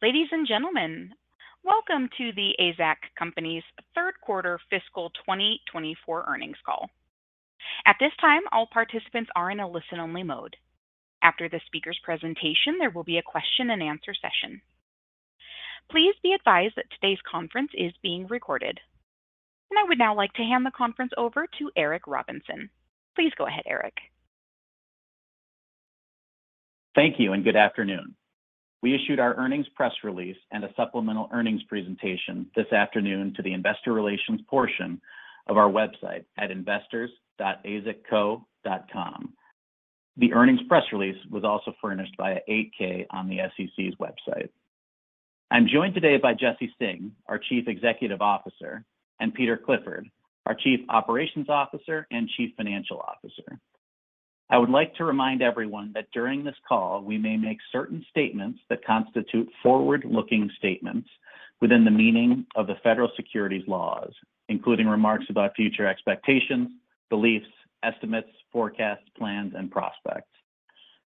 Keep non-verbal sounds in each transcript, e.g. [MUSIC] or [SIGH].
Ladies and gentlemen, welcome to the AZEK Company's third quarter fiscal 2024 earnings call. At this time, all participants are in a listen-only mode. After the speaker's presentation, there will be a question and answer session. Please be advised that today's conference is being recorded. I would now like to hand the conference over to Eric Robinson. Please go ahead, Eric. Thank you, and good afternoon. We issued our earnings press release and a supplemental earnings presentation this afternoon to the investor relations portion of our website at investors.azekco.com. The earnings press release was also furnished by an 8-K on the SEC's website. I'm joined today by Jesse Singh, our Chief Executive Officer, and Peter Clifford, our Chief Operations Officer and Chief Financial Officer. I would like to remind everyone that during this call, we may make certain statements that constitute forward-looking statements within the meaning of the federal securities laws, including remarks about future expectations, beliefs, estimates, forecasts, plans, and prospects.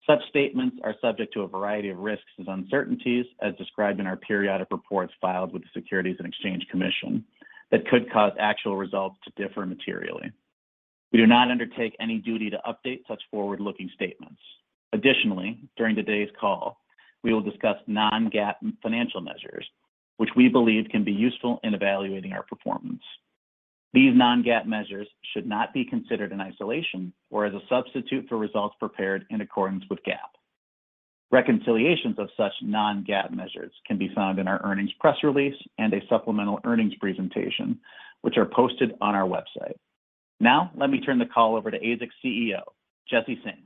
Such statements are subject to a variety of risks and uncertainties, as described in our periodic reports filed with the Securities and Exchange Commission, that could cause actual results to differ materially. We do not undertake any duty to update such forward-looking statements. Additionally, during today's call, we will discuss non-GAAP financial measures, which we believe can be useful in evaluating our performance. These non-GAAP measures should not be considered in isolation or as a substitute for results prepared in accordance with GAAP. Reconciliations of such non-GAAP measures can be found in our earnings press release and a supplemental earnings presentation, which are posted on our website. Now, let me turn the call over to AZEK's CEO, Jesse Singh.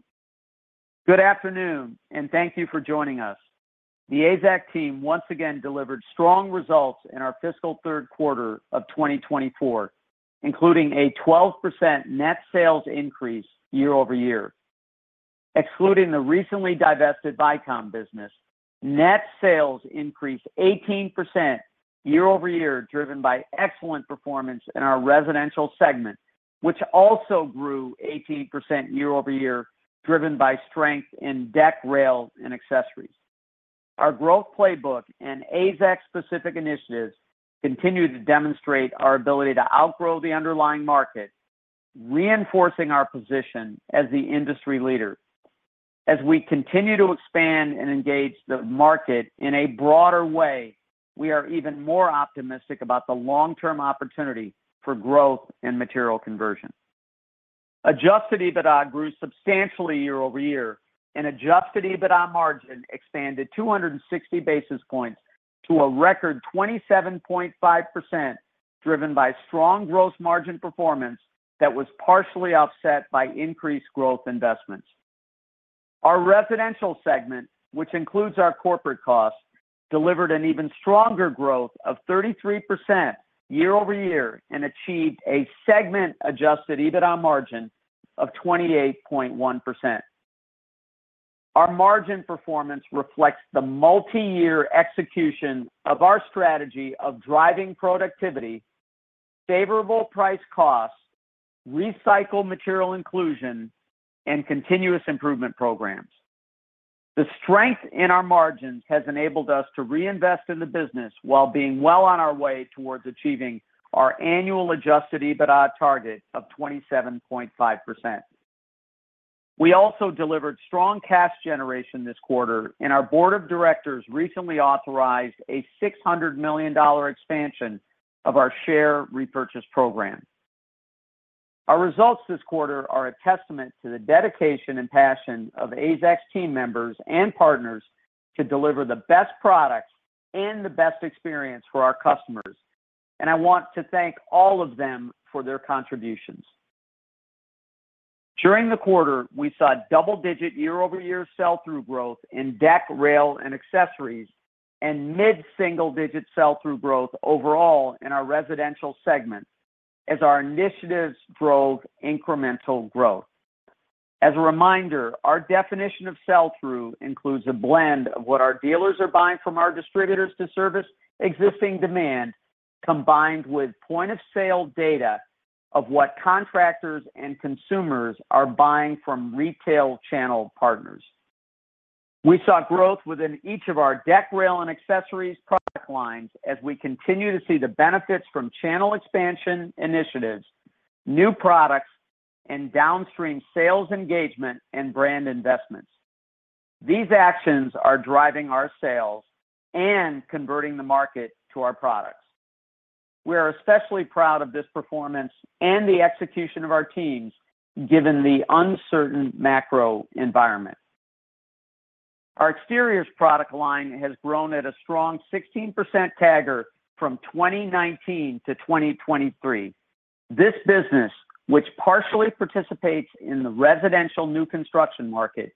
Good afternoon, and thank you for joining us. The AZEK team once again delivered strong results in our fiscal third quarter of 2024, including a 12% net sales increase year-over-year. Excluding the recently divested Vycom business, net sales increased 18% year-over-year, driven by excellent performance in our residential segment, which also grew 18% year-over-year, driven by strength in deck, rail, and accessories. Our growth playbook and AZEK-specific initiatives continue to demonstrate our ability to outgrow the underlying market, reinforcing our position as the industry leader. As we continue to expand and engage the market in a broader way, we are even more optimistic about the long-term opportunity for growth and material conversion. Adjusted EBITDA grew substantially year-over-year, and adjusted EBITDA margin expanded 260 basis points to a record 27.5%, driven by strong gross margin performance that was partially offset by increased growth investments. Our residential segment, which includes our corporate costs, delivered an even stronger growth of 33% year-over-year and achieved a segment-adjusted EBITDA margin of 28.1%. Our margin performance reflects the multi-year execution of our strategy of driving productivity, favorable price costs, recycled material inclusion, and continuous improvement programs. The strength in our margins has enabled us to reinvest in the business while being well on our way towards achieving our annual adjusted EBITDA target of 27.5%. We also delivered strong cash generation this quarter, and our board of directors recently authorized a $600 million expansion of our share repurchase program. Our results this quarter are a testament to the dedication and passion of AZEK's team members and partners to deliver the best products and the best experience for our customers, and I want to thank all of them for their contributions. During the quarter, we saw double-digit year-over-year sell-through growth in deck, rail, and accessories, and mid-single-digit sell-through growth overall in our residential segment as our initiatives drove incremental growth. As a reminder, our definition of sell-through includes a blend of what our dealers are buying from our distributors to service existing demand, combined with point-of-sale data of what contractors and consumers are buying from retail channel partners. We saw growth within each of our deck, rail, and accessories product lines as we continue to see the benefits from channel expansion initiatives, new products, and downstream sales engagement and brand investments. These actions are driving our sales and converting the market to our products. We are especially proud of this performance and the execution of our teams, given the uncertain macro environment. Our exteriors product line has grown at a strong 16% CAGR from 2019 to 2023. This business, which partially participates in the residential new construction market,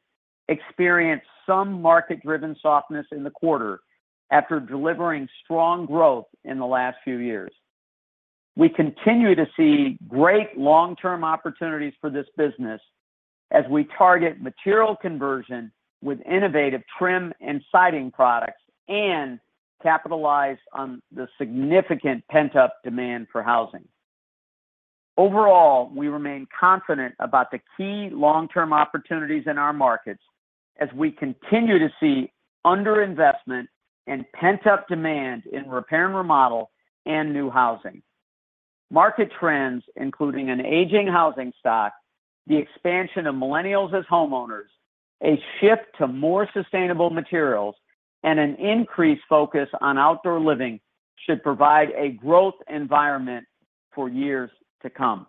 experienced some market-driven softness in the quarter after delivering strong growth in the last few years. We continue to see great long-term opportunities for this business as we target material conversion with innovative trim and siding products and capitalize on the significant pent-up demand for housing....Overall, we remain confident about the key long-term opportunities in our markets as we continue to see underinvestment and pent-up demand in repair and remodel and new housing. Market trends, including an aging housing stock, the expansion of millennials as homeowners, a shift to more sustainable materials, and an increased focus on outdoor living, should provide a growth environment for years to come.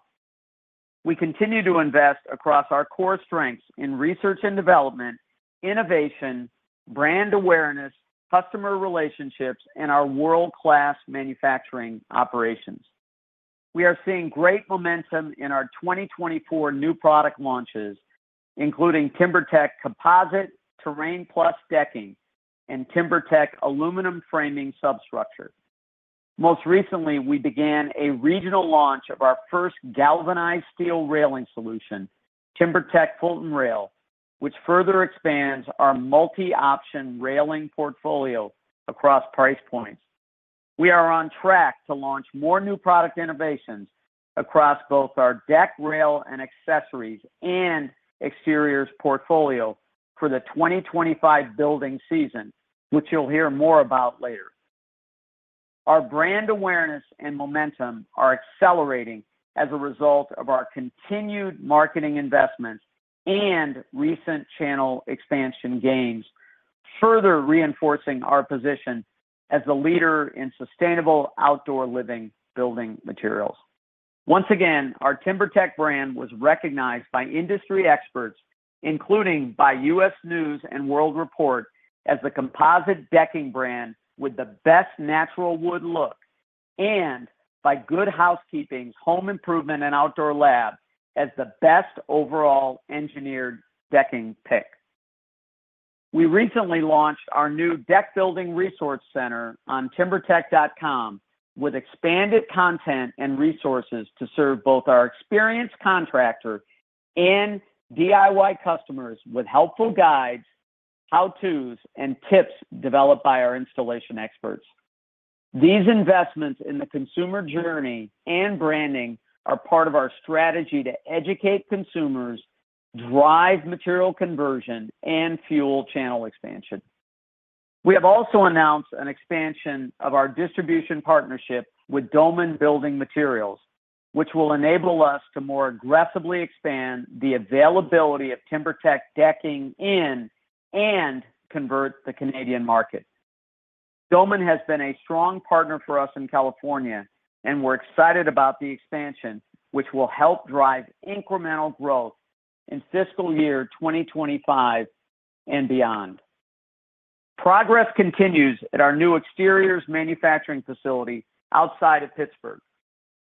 We continue to invest across our core strengths in research and development, innovation, brand awareness, customer relationships, and our world-class manufacturing operations. We are seeing great momentum in our 2024 new product launches, including TimberTech Composite Terrain Plus Decking and TimberTech Aluminum Framing Substructure. Most recently, we began a regional launch of our first galvanized steel railing solution, TimberTech Fulton Rail, which further expands our multi-option railing portfolio across price points. We are on track to launch more new product innovations across both our deck, rail, and accessories, and exteriors portfolio for the 2025 building season, which you'll hear more about later. Our brand awareness and momentum are accelerating as a result of our continued marketing investments and recent channel expansion gains, further reinforcing our position as the leader in sustainable outdoor living building materials. Once again, our TimberTech brand was recognized by industry experts, including by U.S. News & World Report, as the composite decking brand with the best natural wood look and by Good Housekeeping's Home Improvement & Outdoor Lab as the best overall engineered decking pick. We recently launched our new deck building resource center on timbertech.com, with expanded content and resources to serve both our experienced contractor and DIY customers, with helpful guides, how-tos, and tips developed by our installation experts. These investments in the consumer journey and branding are part of our strategy to educate consumers, drive material conversion, and fuel channel expansion. We have also announced an expansion of our distribution partnership with Doman Building Materials, which will enable us to more aggressively expand the availability of TimberTech decking in Canada and convert the Canadian market. Doman has been a strong partner for us in California, and we're excited about the expansion, which will help drive incremental growth in fiscal year 2025 and beyond. Progress continues at our new exteriors manufacturing facility outside of Pittsburgh.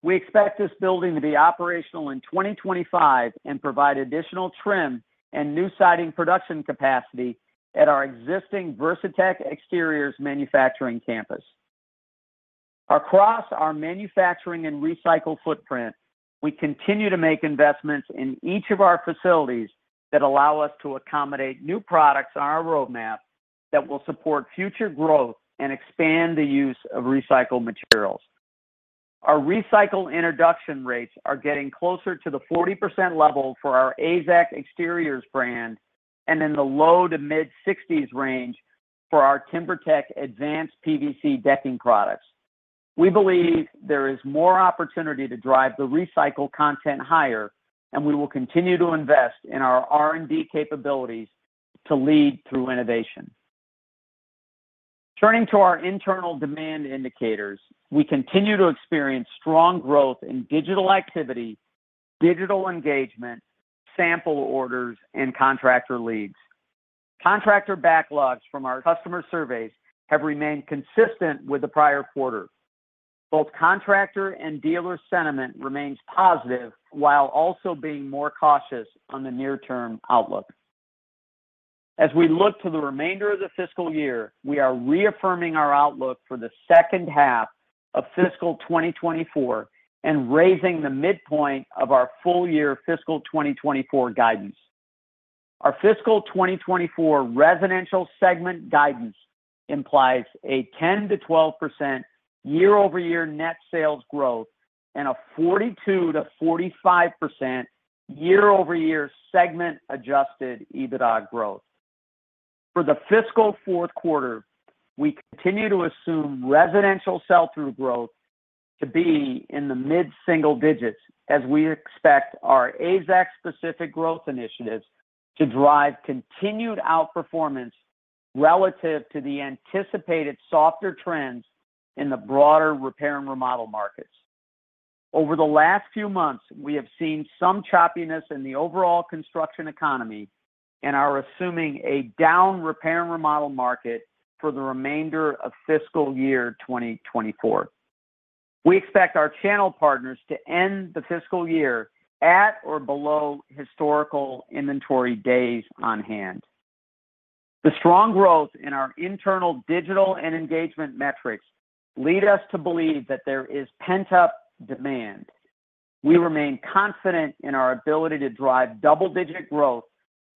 We expect this building to be operational in 2025 and provide additional trim and new siding production capacity at our existing Versatex Exteriors manufacturing campus. Across our manufacturing and recycle footprint, we continue to make investments in each of our facilities that allow us to accommodate new products on our roadmap that will support future growth and expand the use of recycled materials. Our recycled introduction rates are getting closer to the 40% level for our AZEK Exteriors brand and in the low-to-mid-60s range for our TimberTech advanced PVC decking products. We believe there is more opportunity to drive the recycled content higher, and we will continue to invest in our R&D capabilities to lead through innovation. Turning to our internal demand indicators, we continue to experience strong growth in digital activity, digital engagement, sample orders, and contractor leads. Contractor backlogs from our customer surveys have remained consistent with the prior quarter. Both contractor and dealer sentiment remains positive, while also being more cautious on the near-term outlook. As we look to the remainder of the fiscal year, we are reaffirming our outlook for the second half of fiscal 2024 and raising the midpoint of our full-year fiscal 2024 guidance. Our fiscal 2024 residential segment guidance implies a 10%-12% year-over-year net sales growth and a 42%-45% year-over-year segment-adjusted EBITDA growth. For the fiscal fourth quarter, we continue to assume residential sell-through growth to be in the mid-single digits, as we expect our AZEK-specific growth initiatives to drive continued outperformance relative to the anticipated softer trends in the broader repair and remodel markets. Over the last few months, we have seen some choppiness in the overall construction economy and are assuming a down repair and remodel market for the remainder of fiscal year 2024. We expect our channel partners to end the fiscal year at or below historical inventory days on hand. The strong growth in our internal digital and engagement metrics lead us to believe that there is pent-up demand. We remain confident in our ability to drive double-digit growth-...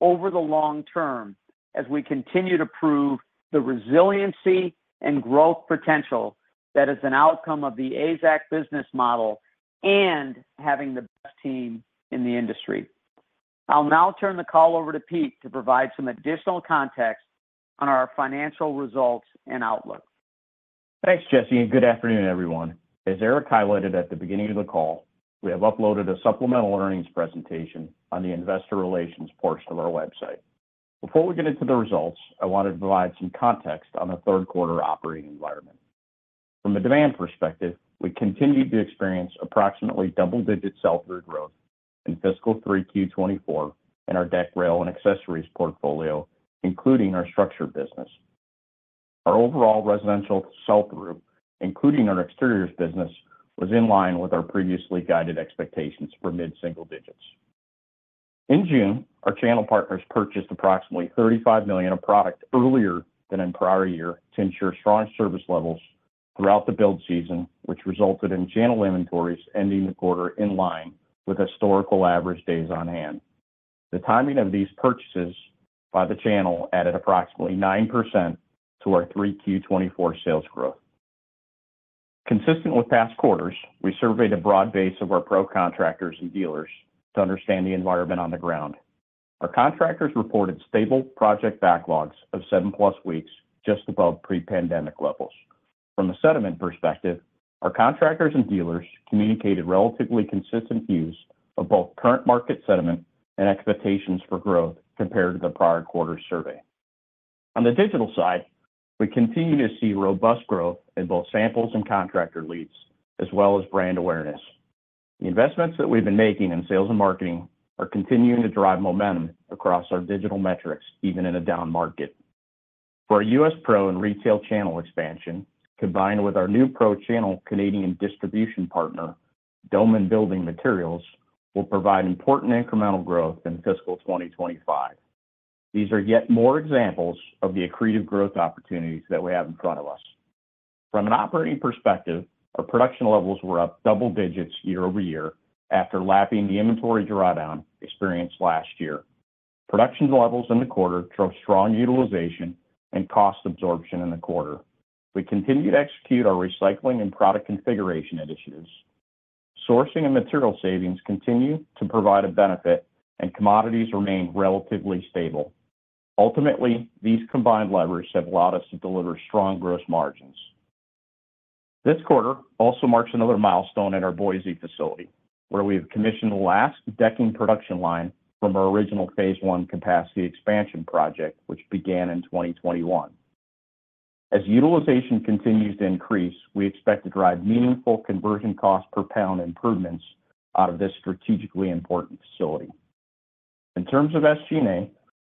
Over the long term, as we continue to prove the resiliency and growth potential that is an outcome of the AZEK business model and having the best team in the industry. I'll now turn the call over to Pete to provide some additional context on our financial results and outlook. Thanks, Jesse, and good afternoon, everyone. As Eric highlighted at the beginning of the call, we have uploaded a supplemental earnings presentation on the investor relations portion of our website. Before we get into the results, I wanted to provide some context on the third quarter operating environment. From a demand perspective, we continued to experience approximately double-digit sell-through growth in fiscal 3Q 2024 in our deck, rail, and accessories portfolio, including our structure business. Our overall residential sell-through, including our exteriors business, was in line with our previously guided expectations for mid-single digits. In June, our channel partners purchased approximately $35 million of product earlier than in prior year to ensure strong service levels throughout the build season, which resulted in channel inventories ending the quarter in line with historical average days on hand. The timing of these purchases by the channel added approximately 9% to our 3Q-2024 sales growth. Consistent with past quarters, we surveyed a broad base of our pro contractors and dealers to understand the environment on the ground. Our contractors reported stable project backlogs of 7+ weeks, just above pre-pandemic levels. From a sentiment perspective, our contractors and dealers communicated relatively consistent views of both current market sentiment and expectations for growth compared to the prior quarter survey. On the digital side, we continue to see robust growth in both samples and contractor leads, as well as brand awareness. The investments that we've been making in sales and marketing are continuing to drive momentum across our digital metrics, even in a down market. For our US Pro and retail channel expansion, combined with our new Pro Channel Canadian distribution partner, Doman Building Materials, will provide important incremental growth in fiscal 2025. These are yet more examples of the accretive growth opportunities that we have in front of us. From an operating perspective, our production levels were up double digits year-over-year, after lapping the inventory drawdown experienced last year. Production levels in the quarter drove strong utilization and cost absorption in the quarter. We continued to execute our recycling and product configuration initiatives. Sourcing and material savings continue to provide a benefit, and commodities remained relatively stable. Ultimately, these combined levers have allowed us to deliver strong gross margins. This quarter also marks another milestone in our Boise facility, where we have commissioned the last decking production line from our original phase I capacity expansion project, which began in 2021. As utilization continues to increase, we expect to drive meaningful conversion cost per pound improvements out of this strategically important facility. In terms of SG&A,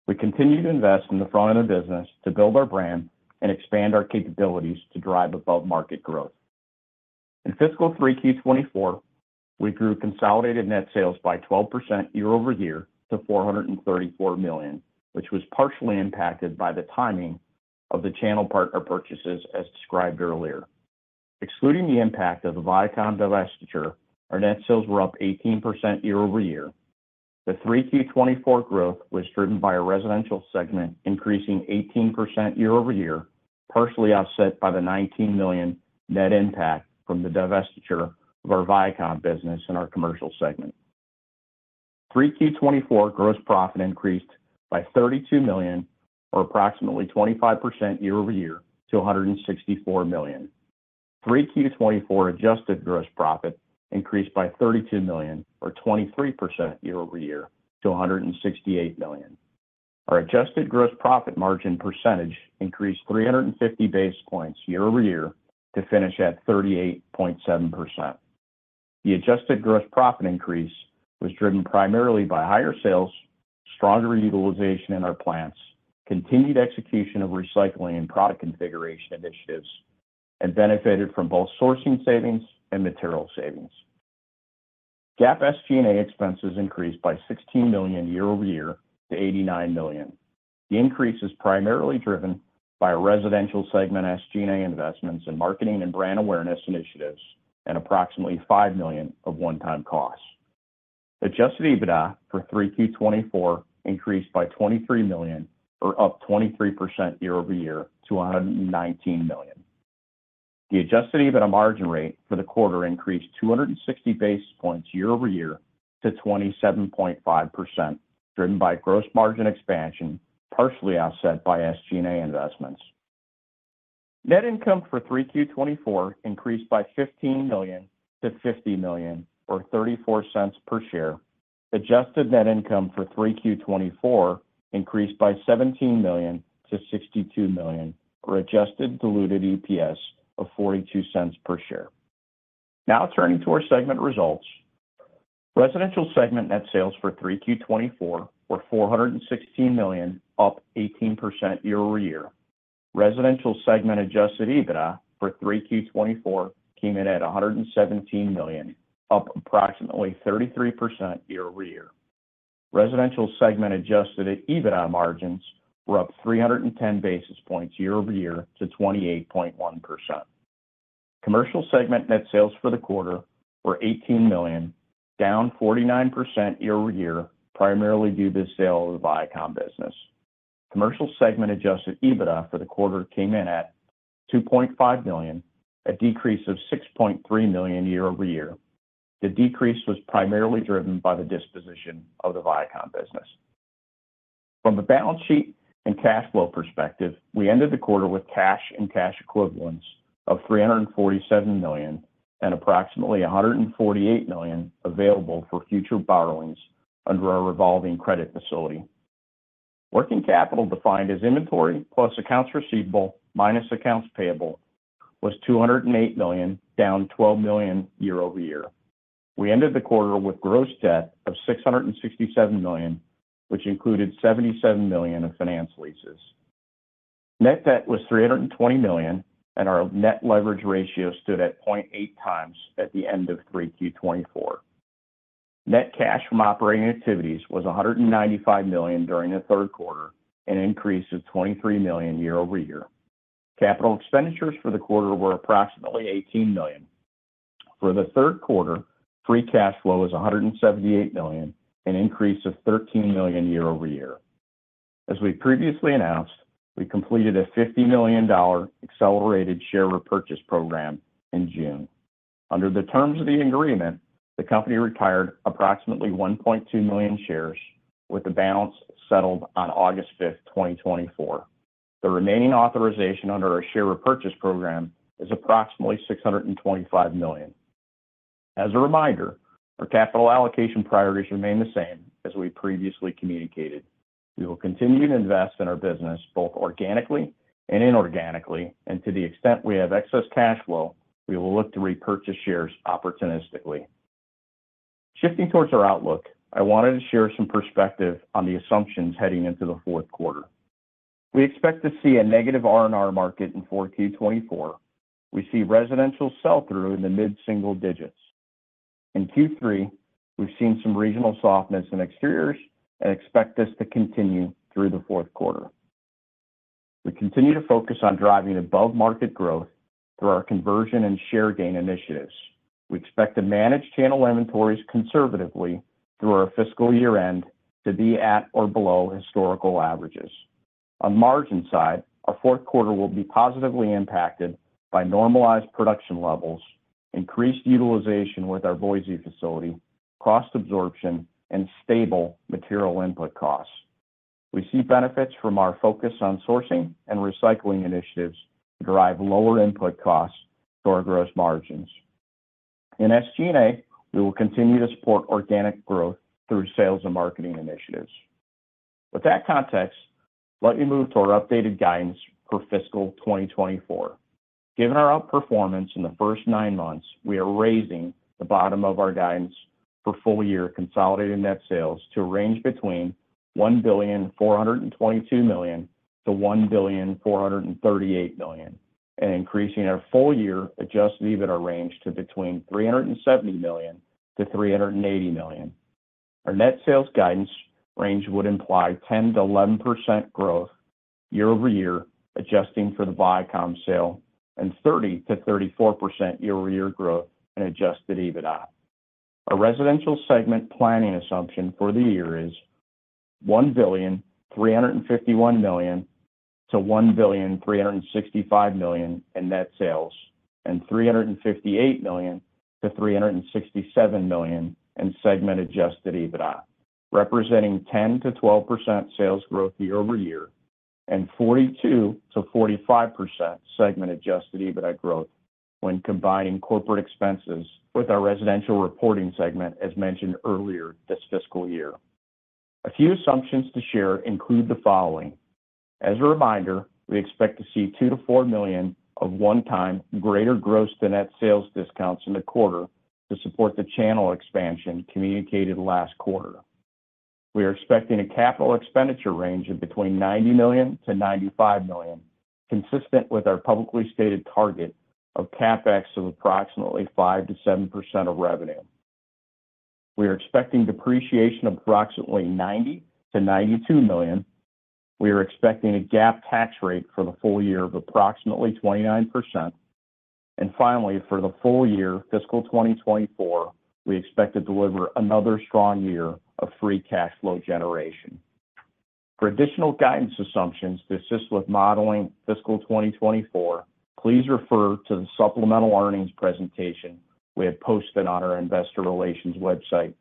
we continue to invest in the front of the business to build our brand and expand our capabilities to drive above-market growth. In fiscal 3Q 2024, we grew consolidated net sales by 12% year-over-year to $434 million, which was partially impacted by the timing of the channel partner purchases, as described earlier. Excluding the impact of the Vycom divestiture, our net sales were up 18% year-over-year. The 3Q 2024 growth was driven by a residential segment, increasing 18% year-over-year, partially offset by the $19 million net impact from the divestiture of our Vycom business in our commercial segment. 3Q24 gross profit increased by $32 million, or approximately 25% year-over-year, to $164 million. 3Q24 adjusted gross profit increased by $32 million or 23% year-over-year to $168 million. Our adjusted gross profit margin percentage increased 350 basis points year-over-year to finish at 38.7%. The adjusted gross profit increase was driven primarily by higher sales, stronger utilization in our plants, continued execution of recycling and product configuration initiatives, and benefited from both sourcing savings and material savings. GAAP SG&A expenses increased by $16 million year-over-year to $89 million. The increase is primarily driven by a residential segment, SG&A investments in marketing and brand awareness initiatives, and approximately $5 million of one-time costs. Adjusted EBITDA for 3Q24 increased by $23 million, or up 23% year-over-year to $119 million. The adjusted EBITDA margin rate for the quarter increased 260 basis points year-over-year to 27.5%, driven by gross margin expansion, partially offset by SG&A investments. Net income for 3Q24 increased by $15 million to $50 million, or $0.34 per share. Adjusted net income for 3Q24 increased by $17 million to $62 million, or adjusted diluted EPS of $0.42 per share. Now, turning to our segment results. Residential segment net sales for 3Q24 were $416 million, up 18% year-over-year. Residential segment adjusted EBITDA for 3Q24 came in at $117 million, up approximately 33% year-over-year. Residential segment Adjusted EBITDA margins were up 310 basis points year-over-year to 28.1%. Commercial segment net sales for the quarter were $18 million, down 49% year-over-year, primarily due to the sale of the Vycom business. Commercial segment Adjusted EBITDA for the quarter came in at $2.5 million, a decrease of $6.3 million year-over-year. The decrease was primarily driven by the disposition of the Vycom business. From a balance sheet and cash flow perspective, we ended the quarter with cash and cash equivalents of $347 million, and approximately $148 million available for future borrowings under our revolving credit facility. Working capital, defined as inventory plus accounts receivable, minus accounts payable, was $208 million, down $12 million year-over-year. We ended the quarter with gross debt of $667 million, which included $77 million of finance leases. Net debt was $320 million, and our net leverage ratio stood at 0.8x at the end of 3Q24. Net cash from operating activities was $195 million during the third quarter, an increase of $23 million year-over-year. Capital expenditures for the quarter were approximately $18 million. For the third quarter, free cash flow was $178 million, an increase of $13 million year-over-year. As we previously announced, we completed a $50 million accelerated share repurchase program in June. Under the terms of the agreement, the company retired approximately 1.2 million shares, with the balance settled on August 5th, 2024. The remaining authorization under our share repurchase program is approximately $625 million. As a reminder, our capital allocation priorities remain the same as we previously communicated. We will continue to invest in our business, both organically and inorganically, and to the extent we have excess cash flow, we will look to repurchase shares opportunistically. Shifting towards our outlook, I wanted to share some perspective on the assumptions heading into the fourth quarter. We expect to see a negative R&R market in 4Q 2024. We see residential sell-through in the mid-single digits. In Q3, we've seen some regional softness in exteriors and expect this to continue through the fourth quarter. We continue to focus on driving above-market growth through our conversion and share gain initiatives. We expect to manage channel inventories conservatively through our fiscal year-end to be at or below historical averages. On margin side, our fourth quarter will be positively impacted by normalized production levels, increased utilization with our Boise facility, cost absorption, and stable material input costs. We see benefits from our focus on sourcing and recycling initiatives to drive lower input costs to our gross margins. In SG&A, we will continue to support organic growth through sales and marketing initiatives. With that context, let me move to our updated guidance for fiscal 2024. Given our outperformance in the first nine months, we are raising the bottom of our guidance for full year consolidated net sales to range between $1.422 billion to $1.438 billion, and increasing our full year adjusted EBITDA range to between $370 million-$380 million. Our net sales guidance range would imply 10%-11% growth year-over-year, adjusting for the Vycom sale, and 30%-34% year-over-year growth in Adjusted EBITDA. Our residential segment planning assumption for the year is $1.351 billion-$1.365 billion in net sales, and $358 million-$367 million in segment-adjusted EBITDA, representing 10%-12% sales growth year-over-year, and 42%-45% segment-adjusted EBITDA growth when combining corporate expenses with our residential reporting segment, as mentioned earlier this fiscal year. A few assumptions to share include the following: As a reminder, we expect to see $2 million-$4 million of one-time greater gross than net sales discounts in the quarter to support the channel expansion communicated last quarter. We are expecting a capital expenditure range of between $90 million-$95 million, consistent with our publicly stated target of CapEx of approximately 5%-7% of revenue. We are expecting depreciation of approximately $90 million-$92 million. We are expecting a GAAP tax rate for the full year of approximately 29%. And finally, for the full year fiscal 2024, we expect to deliver another strong year of free cash flow generation. For additional guidance assumptions to assist with modeling fiscal 2024, please refer to the supplemental earnings presentation we have posted on our investor relations website.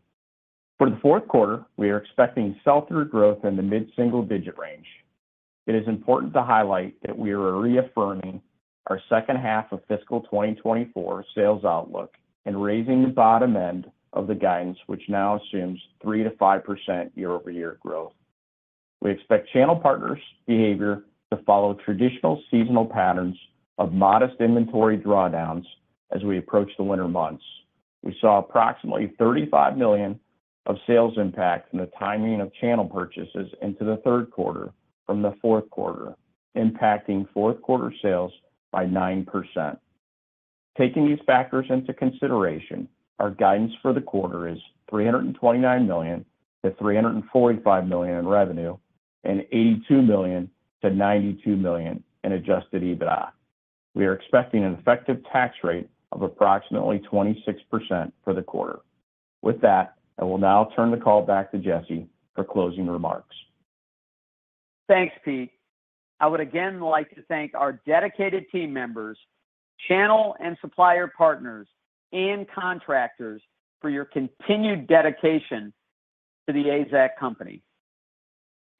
For the fourth quarter, we are expecting sell-through growth in the mid-single-digit range. It is important to highlight that we are reaffirming our second half of fiscal 2024 sales outlook and raising the bottom end of the guidance, which now assumes 3%-5% year-over-year growth. We expect channel partners' behavior to follow traditional seasonal patterns of modest inventory drawdowns as we approach the winter months. We saw approximately $35 million of sales impact from the timing of channel purchases into the third quarter from the fourth quarter, impacting fourth quarter sales by 9%. Taking these factors into consideration, our guidance for the quarter is $329 million-$345 million in revenue and $82 million-$92 million in Adjusted EBITDA. We are expecting an effective tax rate of approximately 26% for the quarter. With that, I will now turn the call back to Jesse for closing remarks. Thanks, Pete. I would again like to thank our dedicated team members, channel and supplier partners, and contractors for your continued dedication to the AZEK Company.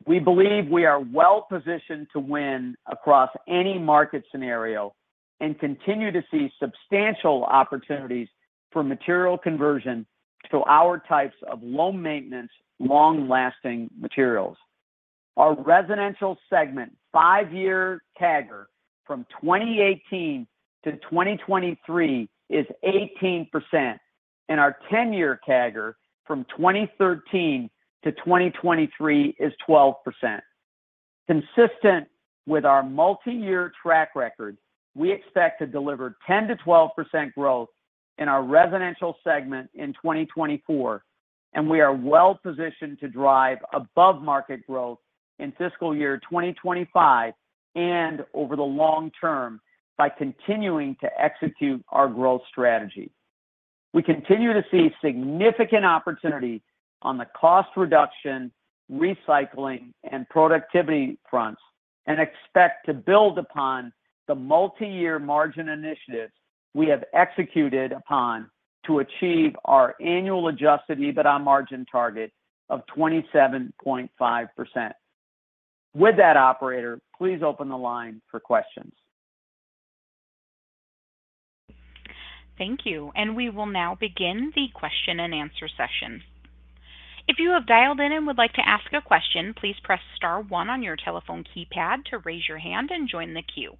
We believe we are well positioned to win across any market scenario and continue to see substantial opportunities for material conversion to our types of low-maintenance, long-lasting materials. Our residential segment five-year CAGR from 2018 to 2023 is 18%, and our 10-year CAGR from 2013 to 2023 is 12%. Consistent with our multiyear track record, we expect to deliver 10%-12% growth in our residential segment in 2024, and we are well positioned to drive above-market growth in fiscal year 2025 and over the long term by continuing to execute our growth strategy. We continue to see significant opportunity on the cost reduction, recycling, and productivity fronts, and expect to build upon the multiyear margin initiatives we have executed upon to achieve our annual Adjusted EBITDA margin target of 27.5%. With that, operator, please open the line for questions. Thank you, and we will now begin the question-and-answer session. If you have dialed in and would like to ask a question, please press star one on your telephone keypad to raise your hand and join the queue.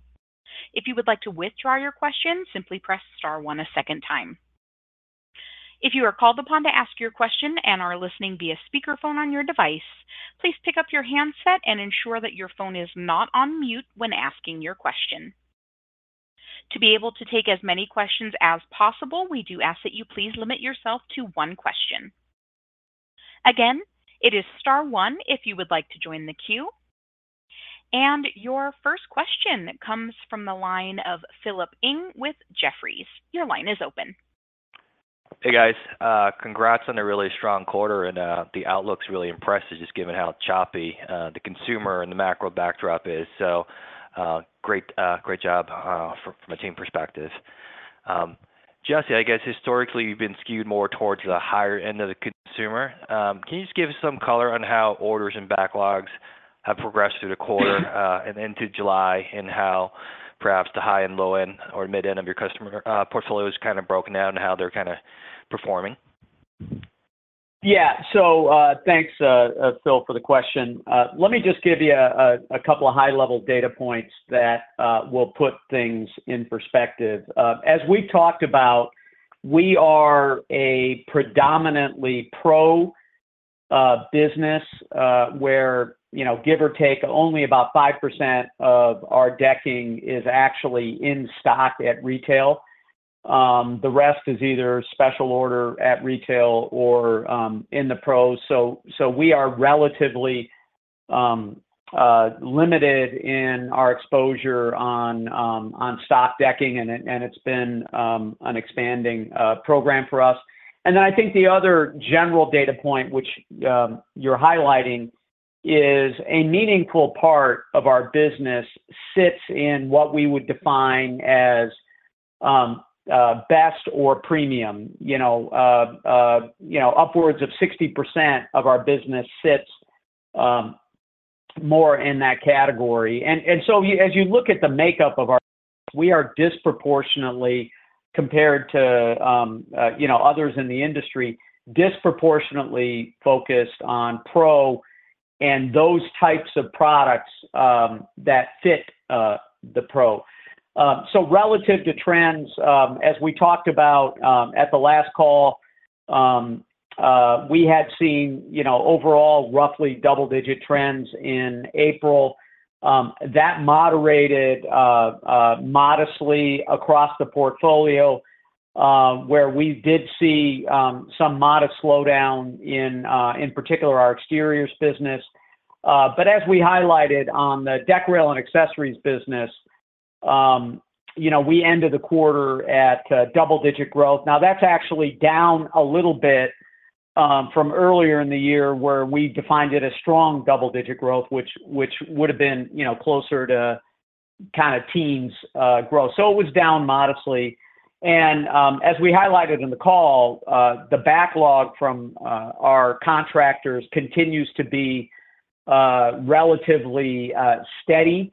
If you would like to withdraw your question, simply press star one a second time. If you are called upon to ask your question and are listening via speakerphone on your device, please pick up your handset and ensure that your phone is not on mute when asking your question. To be able to take as many questions as possible, we do ask that you please limit yourself to one question. Again, it is star one if you would like to join the queue. Your first question comes from the line of Philip Ng with Jefferies. Your line is open. Hey, guys. Congrats on a really strong quarter and the outlook's really impressive, just given how choppy the consumer and the macro backdrop is. So, great, great job from a team perspective. Jesse, I guess historically you've been skewed more towards the higher end of the consumer. Can you just give us some color on how orders and backlogs have progressed through the quarter and into July? And how perhaps the high and low end or mid end of your customer portfolio is kind of broken down and how they're kind of performing? Yeah. So, thanks, Phil, for the question. Let me just give you a couple of high-level data points that will put things in perspective. As we talked about, we are a predominantly pro business, where, you know, give or take, only about 5% of our decking is actually in stock at retail. The rest is either special order at retail or in the pros. So we are relatively limited in our exposure on stock decking, and it's been an expanding program for us. And then I think the other general data point, which you're highlighting, is a meaningful part of our business sits in what we would define as best or premium. You know, you know, upwards of 60% of our business sits more in that category. And so as you look at the makeup of our... We are disproportionately compared to, you know, others in the industry, disproportionately focused on pro and those types of products that fit the pro. So relative to trends, as we talked about, at the last call, we had seen, you know, overall, roughly double-digit trends in April. That moderated modestly across the portfolio, where we did see some modest slowdown in, in particular, our exteriors business. But as we highlighted on the deck, rail, and accessories business, you know, we ended the quarter at double-digit growth. Now, that's actually down a little bit from earlier in the year, where we defined it as strong double-digit growth, which would have been, you know, closer to kind of teens growth. So it was down modestly. As we highlighted in the call, the backlog from our contractors continues to be relatively steady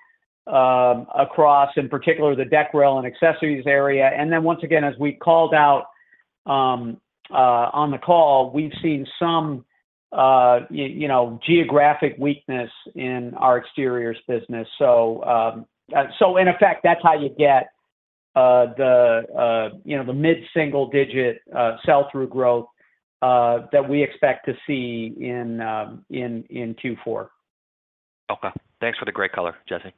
across, in particular, the deck, rail, and accessories area. And then once again, as we called out on the call, we've seen some you know, geographic weakness in our exteriors business. So in effect, that's how you get the you know, the mid-single digit sell-through growth that we expect to see in Q4. Okay. Thanks for the great color, Jesse.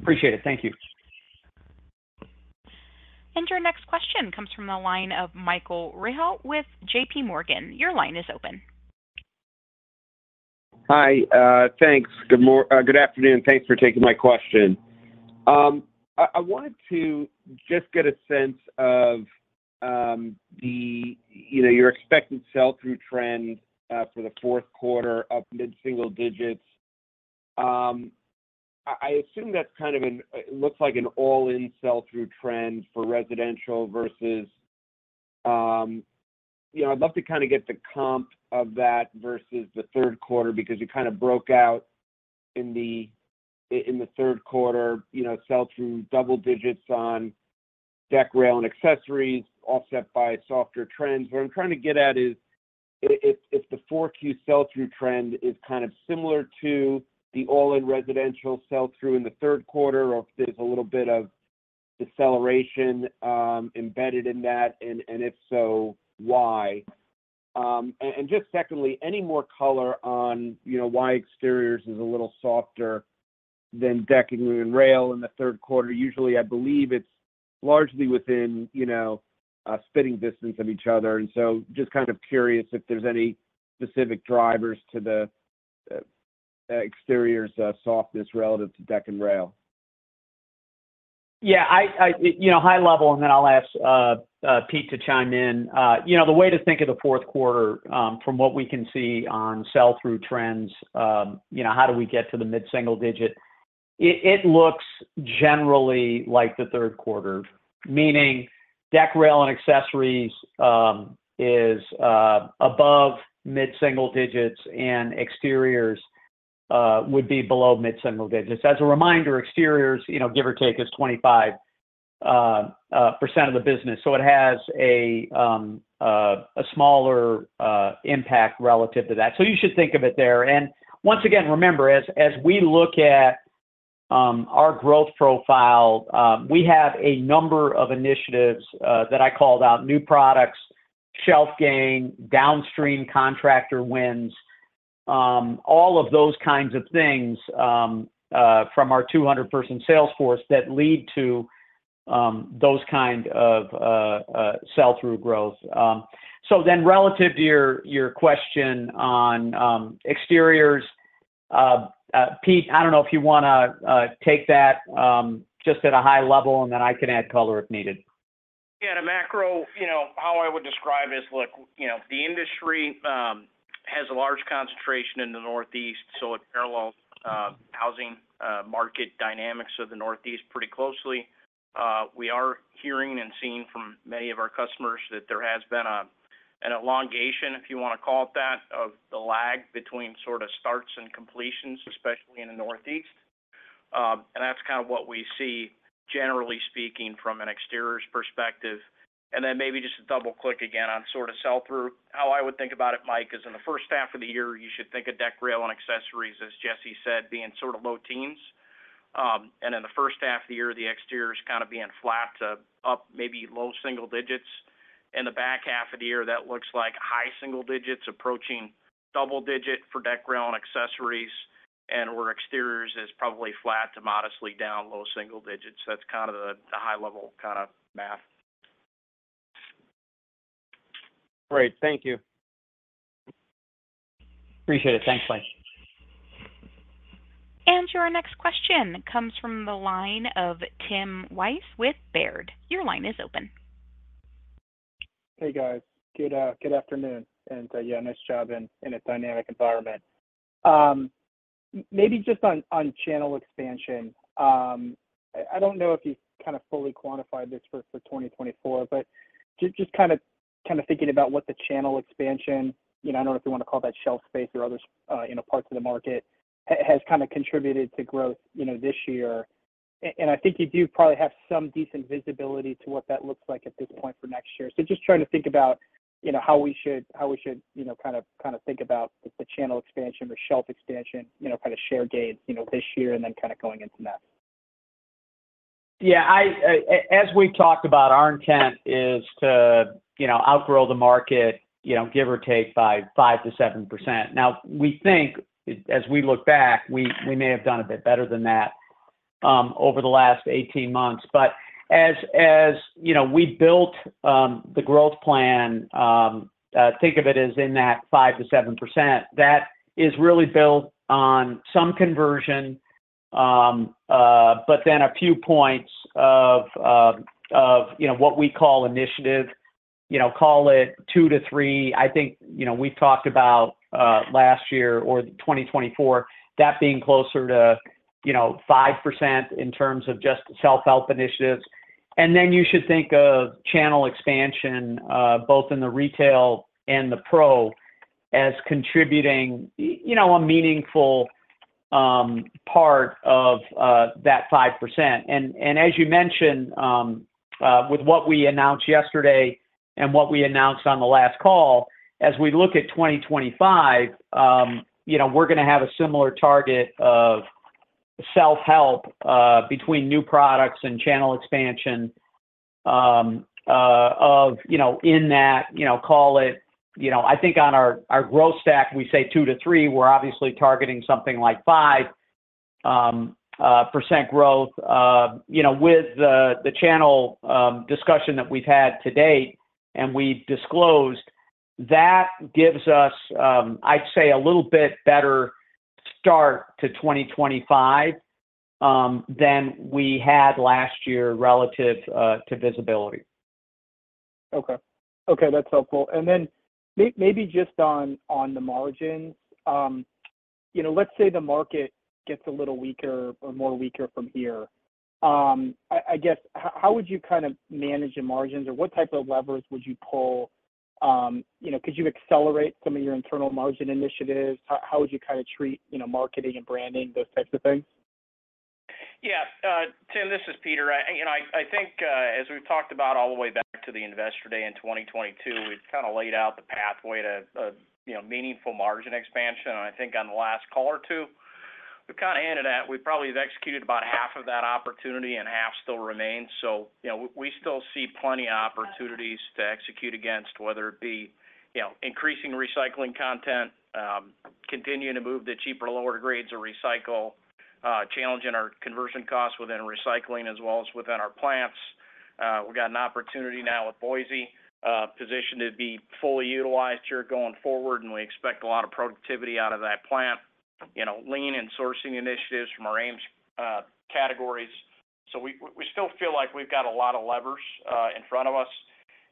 Appreciate it. Thank you.... Our next question comes from the line of Michael Rehaut with JPMorgan. Your line is open. Hi, thanks. Good afternoon, thanks for taking my question. I wanted to just get a sense of the, you know, your expected sell-through trend for the fourth quarter of mid-single digits. I assume that's kind of an looks like an all-in sell-through trend for residential versus, you know, I'd love to kinda get the comp of that versus the third quarter, because you kind of broke out in the third quarter, you know, sell-through double digits on deck, rail, and accessories, offset by softer trends. What I'm trying to get at is, if the four-Q sell-through trend is kind of similar to the all-in residential sell-through in the third quarter, or if there's a little bit of deceleration embedded in that, and if so, why? And just secondly, any more color on, you know, why exteriors is a little softer than deck and rail in the third quarter? Usually, I believe it's largely within, you know, spitting distance of each other, and so just kind of curious if there's any specific drivers to the, exteriors, softness relative to deck and rail. Yeah, you know, high level, and then I'll ask Pete to chime in. You know, the way to think of the fourth quarter, from what we can see on sell-through trends, you know, how do we get to the mid-single digit? It looks generally like the third quarter, meaning deck, rail, and accessories, is above mid-single digits, and exteriors would be below mid-single digits. As a reminder, exteriors, you know, give or take, is 25% of the business, so it has a smaller impact relative to that. So you should think of it there, and once again, remember, as we look at our growth profile, we have a number of initiatives that I called out, new products, shelf gain, downstream contractor wins. All of those kinds of things from our 200-person sales force that lead to those kind of sell-through growth. So then relative to your question on exteriors, Pete, I don't know if you wanna take that just at a high level, and then I can add color if needed. Yeah, at a macro, you know, how I would describe it is, look, you know, the industry has a large concentration in the Northeast, so it parallels housing market dynamics of the Northeast pretty closely. We are hearing and seeing from many of our customers that there has been an elongation, if you wanna call it that, of the lag between sort of starts and completions, especially in the Northeast. And that's kind of what we see, generally speaking, from an exteriors perspective. And then maybe just to double-click again on sort of sell-through. How I would think about it, Mike, is in the first half of the year, you should think of deck, rail, and accessories, as Jesse said, being sort of low teens. And in the first half of the year, the exteriors is kind of being flat to up, maybe low single digits. In the back half of the year, that looks like high single digits, approaching double digit for deck, rail, and accessories, and where exteriors is probably flat to modestly down low single digits. That's kind of the high level kind of math. Great. Thank you. Appreciate it. Thanks, Mike. Our next question comes from the line of Tim Wojs with Baird. Your line is open. Hey, guys. Good afternoon, and yeah, nice job in a dynamic environment. Maybe just on channel expansion. I don't know if you kind of fully quantified this for 2024, but just kind of thinking about what the channel expansion, you know, I don't know if you want to call that shelf space or other, you know, parts of the market, has kind of contributed to growth, you know, this year. And I think you do probably have some decent visibility to what that looks like at this point for next year. Just trying to think about, you know, how we should, you know, kind of think about the channel expansion or shelf expansion, you know, kind of share gains, you know, this year and then kind of going into next. Yeah, I, as we've talked about, our intent is to, you know, outgrow the market, you know, give or take by 5%-7%. Now, we think as we look back, we may have done a bit better than that over the last 18 months. But as, you know, we built the growth plan, think of it as in that 5%-7%, that is really built on some conversion, but then a few points of, you know, what we call initiative. You know, call it 2-3. I think, you know, we've talked about last year or 2024, that being closer to, you know, 5% in terms of just self-help initiatives. And then you should think of channel expansion, both in the retail and the pro, as contributing, you know, a meaningful part of that 5%. And as you mentioned, with what we announced yesterday and what we announced on the last call, as we look at 2025, you know, we're gonna have a similar target of self-help between new products and channel expansion of, you know, in that, you know, call it, you know, I think on our growth stack, we say 2-3. We're obviously targeting something like 5% growth, you know, with the channel discussion that we've had to date, and we've disclosed, that gives us, I'd say, a little bit better start to 2025 than we had last year relative to visibility. Okay. Okay, that's helpful. And then maybe just on the margins, you know, let's say the market gets a little weaker or more weaker from here. I guess how would you kind of manage the margins, or what type of levers would you pull? You know, could you accelerate some of your internal margin initiatives? How would you kind of treat, you know, marketing and branding, those types of things? Yeah, Tim, this is Peter. I, you know, I think, as we've talked about all the way back to the Investor Day in 2022, we've kinda laid out the pathway to a, you know, meaningful margin expansion. And I think on the last call or two, we've kinda hinted at, we probably have executed about half of that opportunity and half still remains. So, you know, we still see plenty of opportunities to execute against, whether it be, you know, increasing recycling content, continuing to move the cheaper, lower grades or recycle, challenging our conversion costs within recycling, as well as within our plants. We've got an opportunity now with Boise positioned to be fully utilized here going forward, and we expect a lot of productivity out of that plant. You know, lean and sourcing initiatives from our AMES categories. So we still feel like we've got a lot of levers in front of us.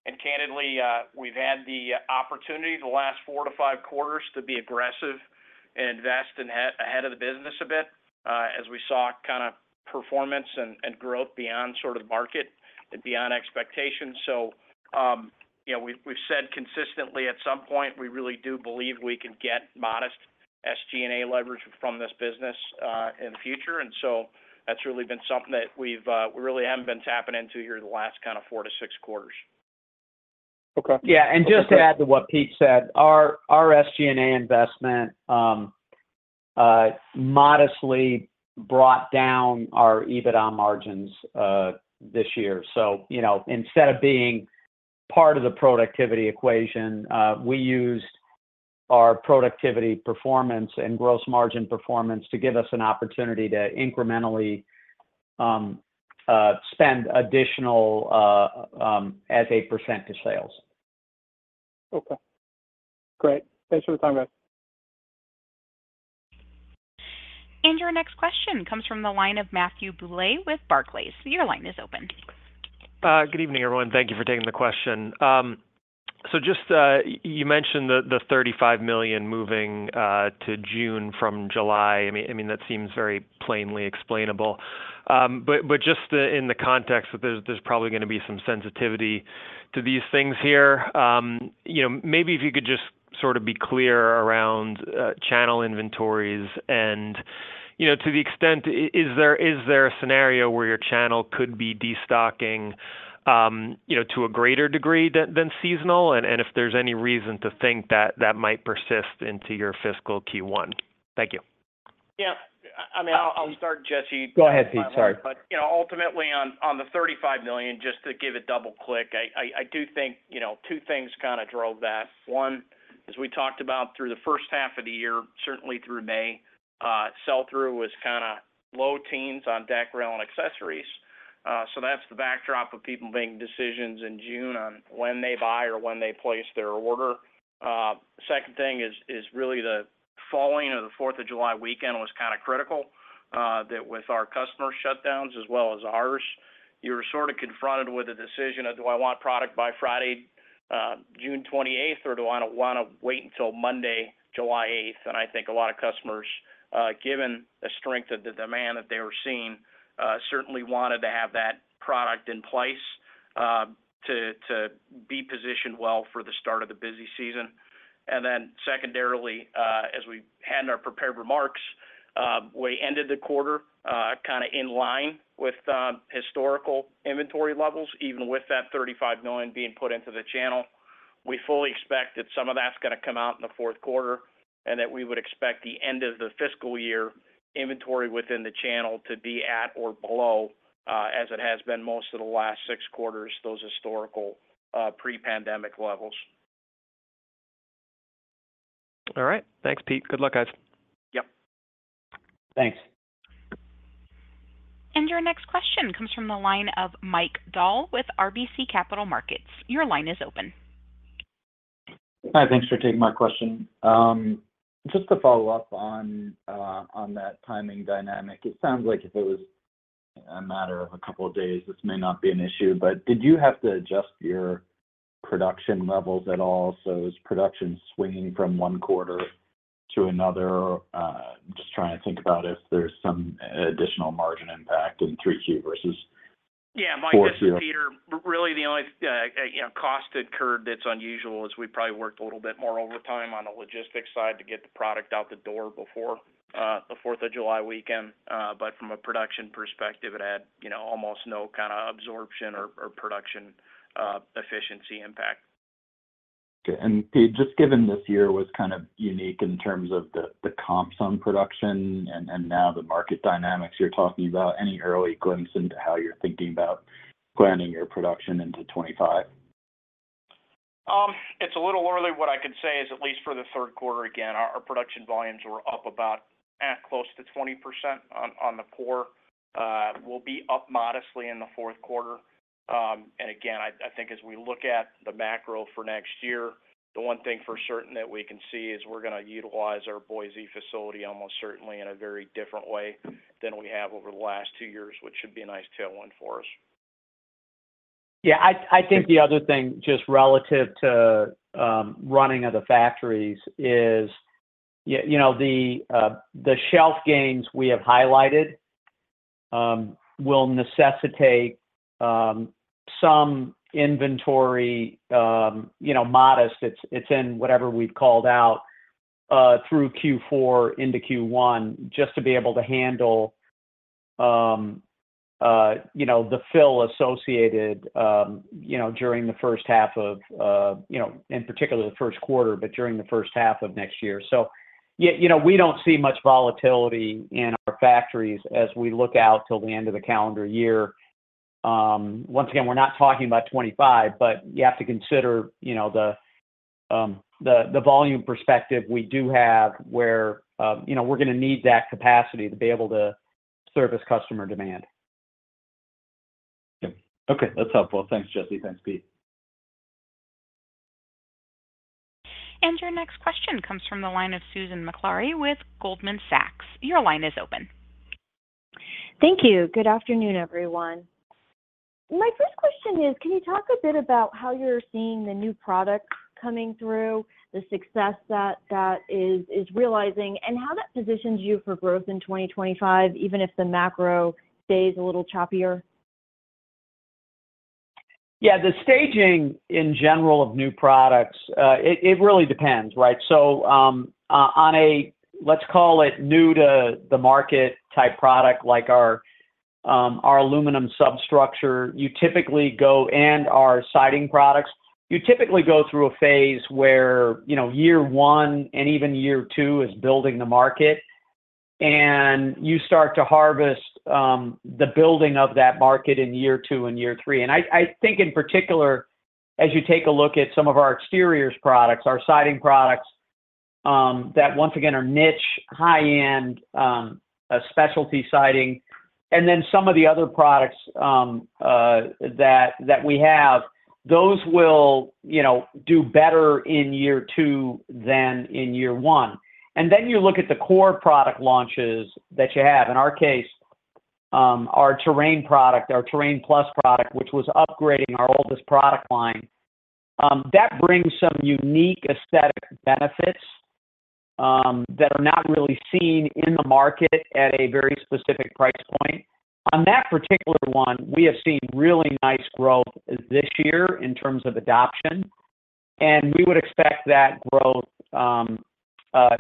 And candidly, we've had the opportunity the last 4-5 quarters to be aggressive and invest ahead of the business a bit, as we saw kinda performance and growth beyond sort of market and beyond expectations. So, you know, we've said consistently at some point, we really do believe we can get modest SG&A leverage from this business in the future. And so that's really been something that we really haven't been tapping into here in the last kind of 4-6 quarters. Okay. Yeah, and just to add to what Pete said, our SG&A investment modestly brought down our EBITDA margins this year. So, you know, instead of being part of the productivity equation, we used our productivity performance and gross margin performance to give us an opportunity to incrementally spend additional as a percent to sales. Okay, great. Thanks for the time, guys. Your next question comes from the line of Matthew Bouley with Barclays. Your line is open. Good evening, everyone. Thank you for taking the question. So just, you mentioned the $35 million moving to June from July. I mean, I mean, that seems very plainly explainable. But just the in the context, there's probably gonna be some sensitivity to these things here. You know, maybe if you could just sort of be clear around channel inventories. And, you know, to the extent, is there a scenario where your channel could be destocking, you know, to a greater degree than seasonal? And if there's any reason to think that that might persist into your fiscal Q1. Thank you. Yeah, I mean, I'll start, Jesse- Go ahead, Pete. Sorry. You know, ultimately, on the $35 million, just to give it double click, I do think, you know, two things kinda drove that. One, as we talked about through the first half of the year, certainly through May, sell-through was kinda low teens on deck, rail, and accessories. So that's the backdrop of people making decisions in June on when they buy or when they place their order. Second thing is really the falling of the Fourth of July weekend was kinda critical. That with our customer shutdowns as well as ours, you were sort of confronted with a decision of: Do I want product by Friday, June 28th, or do I wanna wait until Monday, July 8th? I think a lot of customers, given the strength of the demand that they were seeing, certainly wanted to have that product in place, to be positioned well for the start of the busy season. Then secondarily, as we had in our prepared remarks, we ended the quarter, kinda in line with, historical inventory levels, even with that $35 million being put into the channel. We fully expect that some of that's gonna come out in the fourth quarter, and that we would expect the end of the fiscal year inventory within the channel to be at or below, as it has been most of the last six quarters, those historical, pre-pandemic levels. All right. Thanks, Pete. Good luck, guys. Yep. Thanks. Your next question comes from the line of Mike Dahl with RBC Capital Markets. Your line is open. Hi, thanks for taking my question. Just to follow up on that timing dynamic, it sounds like if it was a matter of a couple of days, this may not be an issue, but did you have to adjust your production levels at all? So is production swinging from one quarter to another? Just trying to think about if there's some additional margin impact in 3Q versus- Yeah, Mike- four Q... This is Peter. Really, the only, you know, cost incurred that's unusual is we probably worked a little bit more overtime on the logistics side to get the product out the door before the Fourth of July weekend. But from a production perspective, it had, you know, almost no kind of absorption or production efficiency impact. Okay. And Pete, just given this year was kind of unique in terms of the comps on production and now the market dynamics you're talking about, any early glimpse into how you're thinking about planning your production into 2025?... It's a little early. What I can say is, at least for the third quarter, again, our production volumes were up about, close to 20% on the core. We'll be up modestly in the fourth quarter. And again, I think as we look at the macro for next year, the one thing for certain that we can see is we're gonna utilize our Boise facility almost certainly in a very different way than we have over the last two years, which should be a nice tailwind for us. Yeah, I think the other thing, just relative to running of the factories is, yeah, you know, the shelf gains we have highlighted will necessitate some inventory, you know, modest. It's in whatever we've called out through Q4 into Q1, just to be able to handle you know, the fill associated you know, during the first half of in particular, the first quarter, but during the first half of next year. So yeah, you know, we don't see much volatility in our factories as we look out till the end of the calendar year. Once again, we're not talking about 25, but you have to consider, you know, the volume perspective we do have, where you know, we're gonna need that capacity to be able to service customer demand. Yep. Okay, that's helpful. Thanks, Jesse. Thanks, Pete. Your next question comes from the line of Susan McClary with Goldman Sachs. Your line is open. Thank you. Good afternoon, everyone. My first question is, can you talk a bit about how you're seeing the new product coming through, the success that that is, is realizing, and how that positions you for growth in 2025, even if the macro stays a little choppier? Yeah, the staging, in general, of new products, it really depends, right? So, on a, let's call it, new-to-the-market type product, like our aluminum substructure, you typically go... and our siding products, you typically go through a phase where, you know, year one and even year two is building the market. And you start to harvest the building of that market in year two and year three. And I think in particular, as you take a look at some of our exteriors products, our siding products, that once again, are niche, high-end, a specialty siding, and then some of the other products, that we have, those will, you know, do better in year two than in year one. And then you look at the core product launches that you have. In our case, our Terrain product, our Terrain Plus product, which was upgrading our oldest product line, that brings some unique aesthetic benefits, that are not really seen in the market at a very specific price point. On that particular one, we have seen really nice growth this year in terms of adoption, and we would expect that growth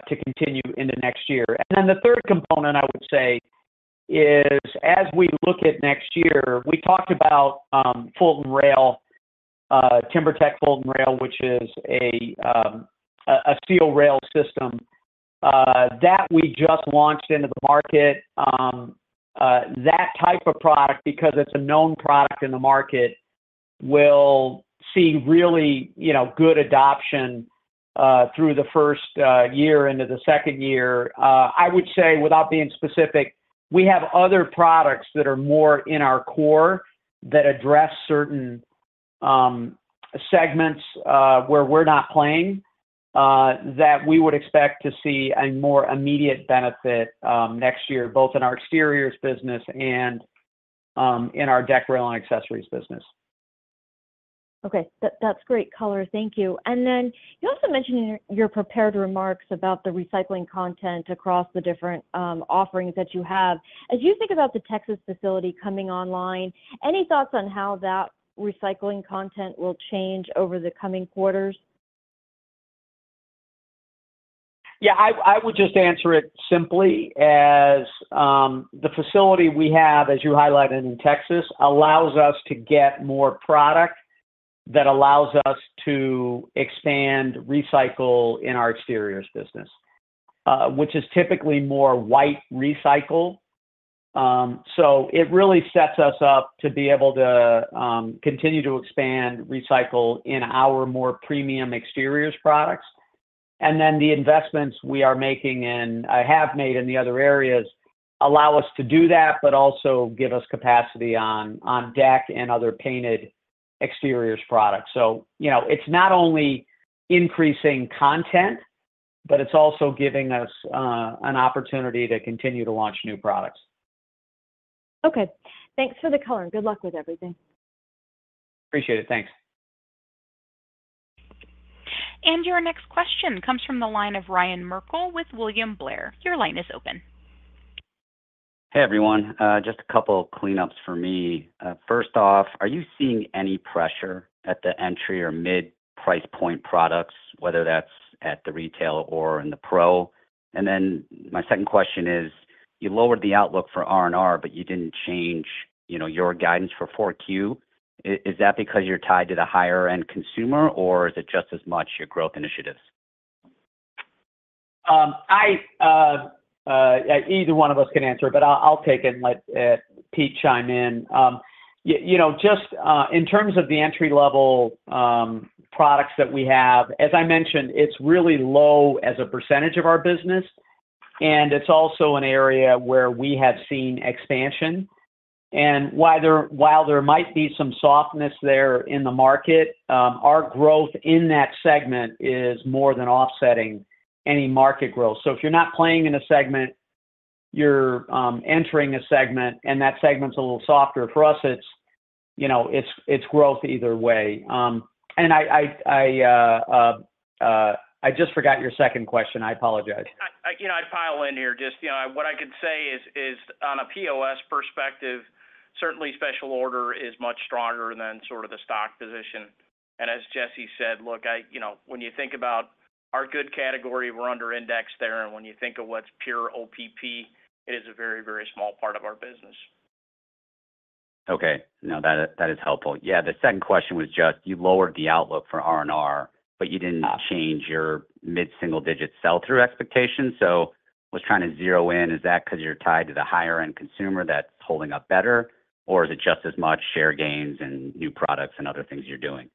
to continue into next year. And then the third component, I would say, is, as we look at next year, we talked about, Fulton Rail, TimberTech Fulton Rail, which is a steel rail system, that we just launched into the market. That type of product, because it's a known product in the market, will see really, you know, good adoption, through the first year into the second year. I would say, without being specific, we have other products that are more in our core, that address certain segments, where we're not playing, that we would expect to see a more immediate benefit, next year, both in our exteriors business and, in our deck, rail, and accessories business. Okay. That-that's great color. Thank you. And then you also mentioned in your prepared remarks about the recycling content across the different, offerings that you have. As you think about the Texas facility coming online, any thoughts on how that recycling content will change over the coming quarters? Yeah, I would just answer it simply as, the facility we have, as you highlighted in Texas, allows us to get more product that allows us to expand, recycle in our exteriors business, which is typically more white recycle. So it really sets us up to be able to continue to expand, recycle in our more premium exteriors products. And then the investments we are making and have made in the other areas allow us to do that, but also give us capacity on deck and other painted exteriors products. So you know, it's not only increasing content, but it's also giving us an opportunity to continue to launch new products. Okay. Thanks for the color, and good luck with everything. Appreciate it. Thanks. Your next question comes from the line of Ryan Merkel with William Blair. Your line is open. Hey, everyone. Just a couple of cleanups for me. First off, are you seeing any pressure at the entry or mid-price point products, whether that's at the retail or in the pro? And then my second question is: you lowered the outlook for R&R, but you didn't change, you know, your guidance for 4Q. Is that because you're tied to the higher end consumer, or is it just as much your growth initiatives?... Either one of us can answer, but I'll take it and let Pete chime in. You know, just in terms of the entry-level products that we have, as I mentioned, it's really low as a percentage of our business, and it's also an area where we have seen expansion. And while there might be some softness there in the market, our growth in that segment is more than offsetting any market growth. So if you're not playing in a segment, you're entering a segment, and that segment's a little softer. For us, it's, you know, it's growth either way. And I just forgot your second question. I apologize. You know, I'd pile in here. Just, you know, what I could say is on a POS perspective, certainly special order is much stronger than sort of the stock position. And as Jesse said, look, you know, when you think about our good category, we're under index there, and when you think of what's pure OPP, it is a very, very small part of our business. Okay. No, that is, that is helpful. Yeah, the second question was just, you lowered the outlook for R&R, but you didn't change your mid-single-digit sell-through expectations. So I was trying to zero in, is that 'cause you're tied to the higher-end consumer that's holding up better? Or is it just as much share gains and new products and other things you're doing?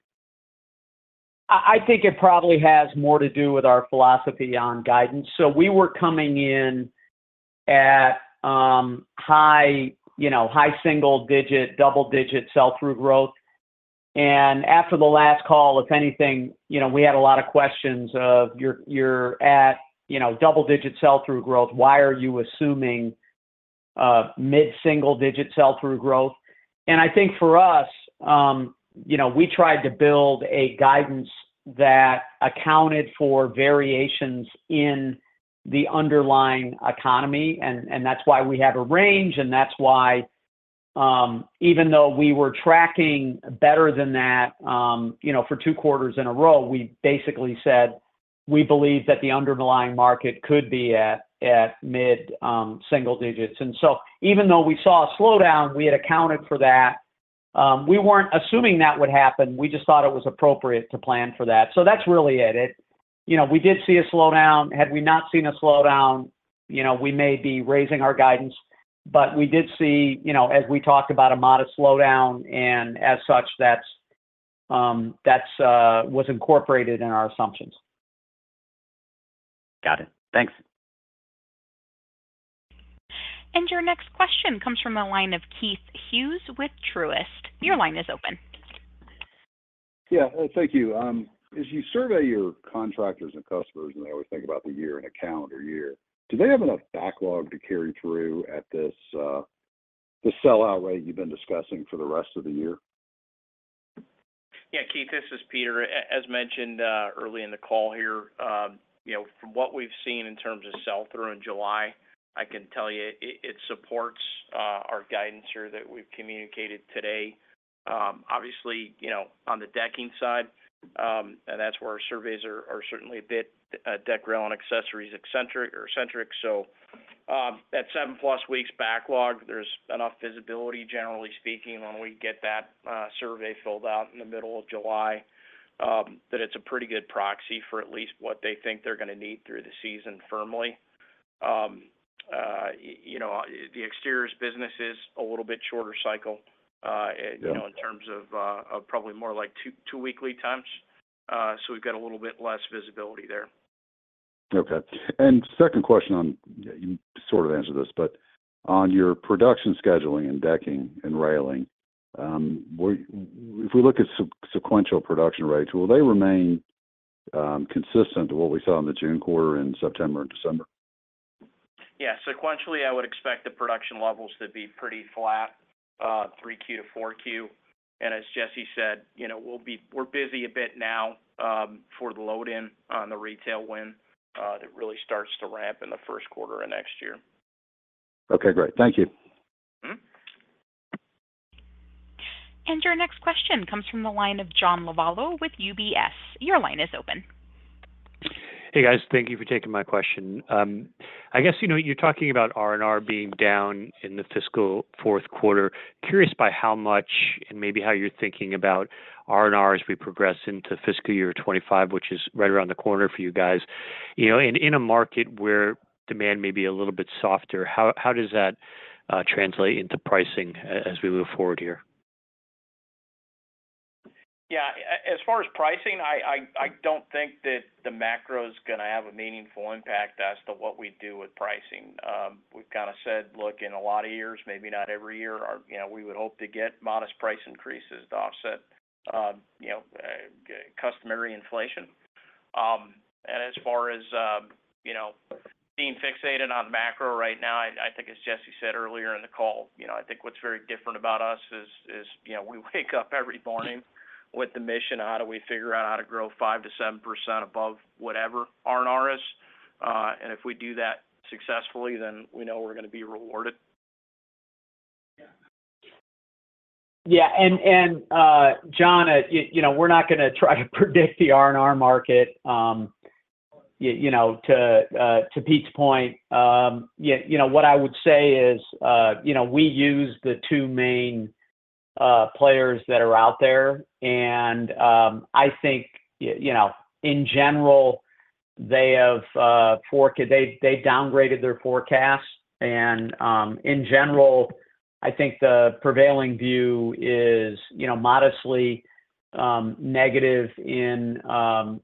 I think it probably has more to do with our philosophy on guidance. So we were coming in at high single digit, double-digit sell-through growth. And after the last call, if anything, you know, we had a lot of questions of, "You're at, you know, double-digit sell-through growth, why are you assuming mid-single-digit sell-through growth?" And I think for us, you know, we tried to build a guidance that accounted for variations in the underlying economy, and that's why we have a range, and that's why, even though we were tracking better than that, you know, for two quarters in a row, we basically said, "We believe that the underlying market could be at mid single digits." And so even though we saw a slowdown, we had accounted for that. We weren't assuming that would happen, we just thought it was appropriate to plan for that. So that's really it. You know, we did see a slowdown. Had we not seen a slowdown, you know, we may be raising our guidance, but we did see, you know, as we talked about, a modest slowdown, and as such, that's, that's, was incorporated in our assumptions. Got it. Thanks. Your next question comes from the line of Keith Hughes with Truist. Your line is open. Yeah. Thank you. As you survey your contractors and customers, and they always think about the year and a calendar year, do they have enough backlog to carry through at this, the sellout rate you've been discussing for the rest of the year? Yeah, Keith, this is Peter. As mentioned early in the call here, you know, from what we've seen in terms of sell-through in July, I can tell you, it supports our guidance here that we've communicated today. Obviously, you know, on the decking side, and that's where our surveys are certainly a bit deck, rail, and accessories-centric. So, at 7+ weeks backlog, there's enough visibility, generally speaking, when we get that survey filled out in the middle of July, that it's a pretty good proxy for at least what they think they're gonna need through the season firmly. You know, the exteriors business is a little bit shorter cycle. Yeah... you know, in terms of, of probably more like 2, 2 weekly times. So we've got a little bit less visibility there. Okay. And second question on... You sort of answered this, but on your production scheduling and decking and railing, if we look at sequential production rates, will they remain consistent to what we saw in the June quarter in September and December? Yeah. Sequentially, I would expect the production levels to be pretty flat, 3Q to 4Q. As Jesse said, you know, we're busy a bit now, for the load in on the retail win, that really starts to ramp in the first quarter of next year. Okay, great. Thank you. Your next question comes from the line of John Lovallo with UBS. Your line is open. Hey, guys. Thank you for taking my question. I guess, you know, you're talking about R&R being down in the fiscal fourth quarter. Curious by how much and maybe how you're thinking about R&R as we progress into fiscal year 25, which is right around the corner for you guys. You know, and in a market where demand may be a little bit softer, how does that translate into pricing as we move forward here? Yeah, as far as pricing, I don't think that the macro is gonna have a meaningful impact as to what we do with pricing. We've kind of said, look, in a lot of years, maybe not every year, or, you know, we would hope to get modest price increases to offset, you know, customary inflation. And as far as, you know, being fixated on macro right now, I think as Jesse said earlier in the call, you know, I think what's very different about us is, you know, we wake up every morning with the mission, how do we figure out how to grow 5%-7% above whatever R&R is? And if we do that successfully, then we know we're gonna be rewarded. Yeah, and, John, you know, we're not gonna try to predict the R&R market. You know, to Pete's point, yeah, you know, what I would say is, you know, we use the two main players that are out there, and, I think, you know, in general, they have forecast. They downgraded their forecast. And, in general, I think the prevailing view is, you know, modestly negative in our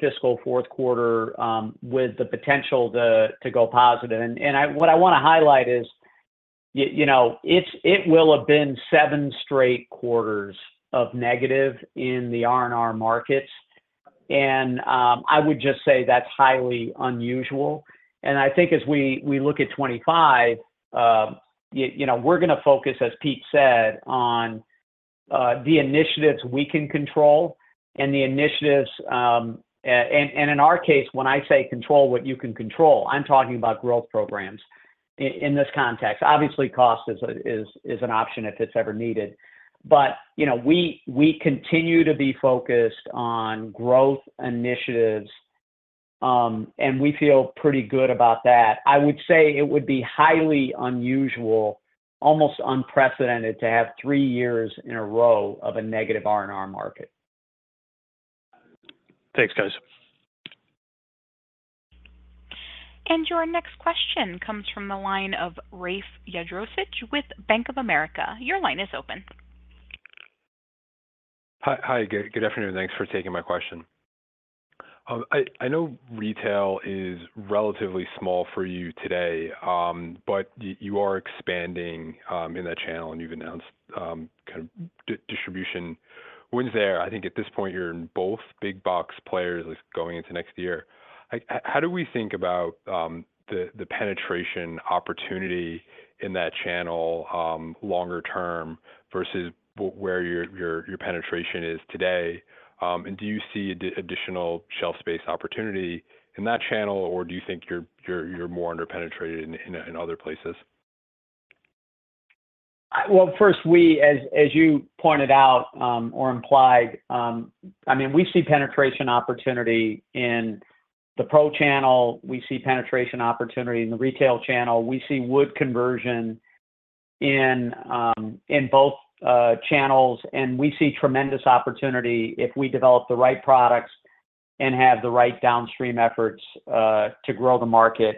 fiscal fourth quarter, with the potential to go positive. And I – what I wanna highlight is you know, it will have been seven straight quarters of negative in the R&R markets, and, I would just say that's highly unusual. And I think as we look at 25, you know, we're gonna focus, as Pete said, on the initiatives we can control and the initiatives, and in our case, when I say control what you can control, I'm talking about growth programs in this context. Obviously, cost is an option if it's ever needed. But, you know, we continue to be focused on growth initiatives, and we feel pretty good about that. I would say it would be highly unusual, almost unprecedented, to have three years in a row of a negative R&R market. Thanks, guys. Your next question comes from the line of Rafe Jadrosich with Bank of America. Your line is open. Hi, hi, good, good afternoon. Thanks for taking my question. I know retail is relatively small for you today, but you are expanding in that channel, and you've announced kind of distribution wins there. I think at this point, you're in both big box players going into next year. Like, how do we think about the penetration opportunity in that channel longer term versus where your penetration is today? And do you see additional shelf space opportunity in that channel, or do you think you're more under-penetrated in other places? Well, first, we, as you pointed out, or implied, I mean, we see penetration opportunity in the Pro channel. We see penetration opportunity in the retail channel. We see wood conversion in both channels, and we see tremendous opportunity if we develop the right products and have the right downstream efforts to grow the market.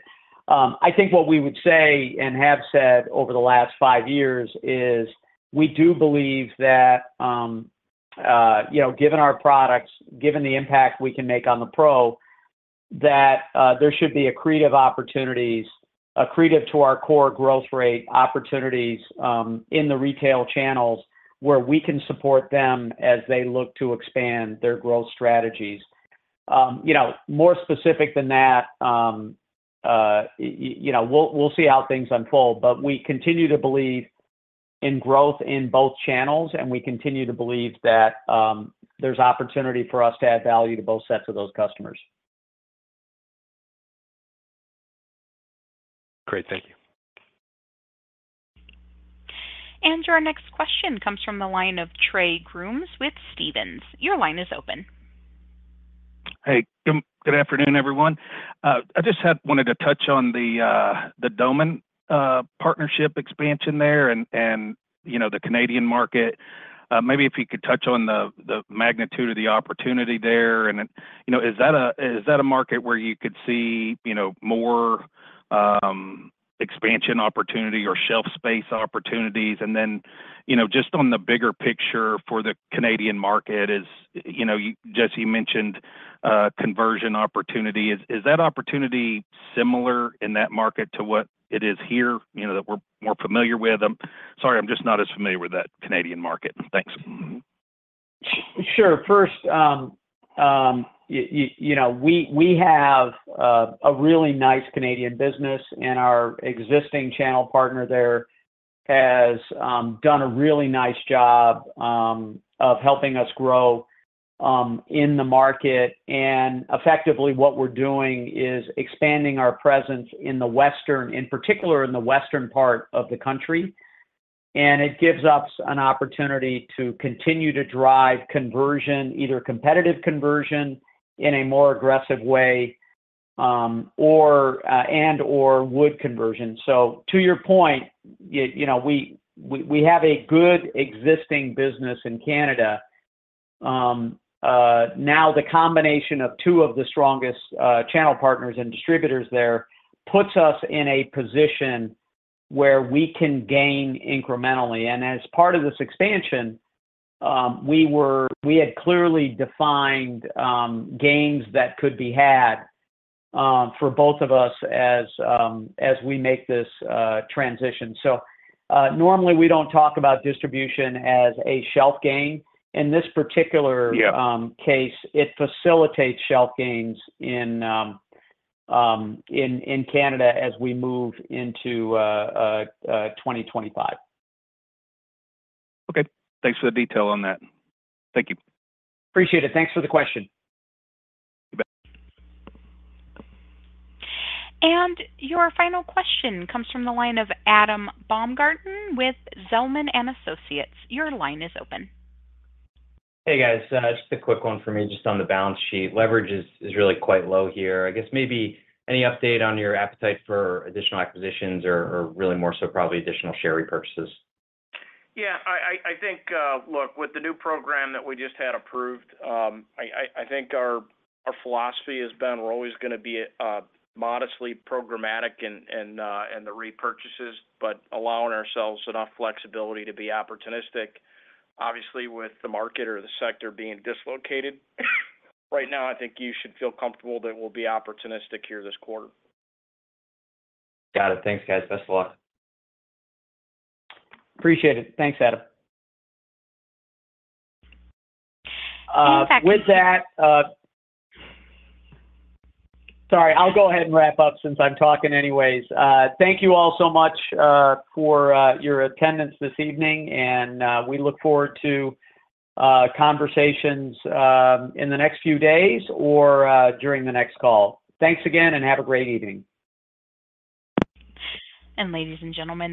I think what we would say, and have said over the last five years, is we do believe that, you know, given our products, given the impact we can make on the pro, that there should be accretive opportunities, accretive to our core growth rate opportunities, in the retail channels, where we can support them as they look to expand their growth strategies. You know, more specific than that, you know, we'll see how things unfold. But we continue to believe in growth in both channels, and we continue to believe that, there's opportunity for us to add value to both sets of those customers. Great. Thank you. Our next question comes from the line of Trey Grooms with Stephens. Your line is open. Hey, good afternoon, everyone. I just wanted to touch on the Doman partnership expansion there and, you know, the Canadian market. Maybe if you could touch on the magnitude of the opportunity there. And then, you know, is that a market where you could see, you know, more expansion opportunity or shelf space opportunities? And then, you know, just on the bigger picture for the Canadian market, you know, you, Jesse, mentioned conversion opportunity. Is that opportunity similar in that market to what it is here, you know, that we're more familiar with? I'm sorry, I'm just not as familiar with that Canadian market. Thanks. Mm-hmm. Sure. First, you know, we have a really nice Canadian business, and our existing channel partner there has done a really nice job of helping us grow in the market. And effectively, what we're doing is expanding our presence in the western, in particular, in the western part of the country. And it gives us an opportunity to continue to drive conversion, either competitive conversion in a more aggressive way, or and/or wood conversion. So to your point, you know, we have a good existing business in Canada. Now, the combination of two of the strongest channel partners and distributors there puts us in a position where we can gain incrementally. As part of this expansion, we had clearly defined gains that could be had for both of us as we make this transition. Normally, we don't talk about distribution as a shelf gain. In this particular- Yeah... case, it facilitates shelf gains in Canada as we move into 2025. Okay, thanks for the detail on that. Thank you. Appreciate it. Thanks for the question. You bet. Your final question comes from the line of Adam Baumgarten with Zelman & Associates. Your line is open. Hey, guys, just a quick one for me, just on the balance sheet. Leverage is really quite low here. I guess maybe any update on your appetite for additional acquisitions or really more so probably additional share repurchases? Yeah, I think, look, with the new program that we just had approved, I think our philosophy has been we're always gonna be modestly programmatic in the repurchases, but allowing ourselves enough flexibility to be opportunistic. Obviously, with the market or the sector being dislocated, right now, I think you should feel comfortable that we'll be opportunistic here this quarter. Got it. Thanks, guys. Best of luck. Appreciate it. Thanks, Adam. [CROSSTALK] With that... Sorry, I'll go ahead and wrap up since I'm talking anyways. Thank you all so much for your attendance this evening, and we look forward to conversations in the next few days or during the next call. Thanks again, and have a great evening. Ladies and gentlemen, that-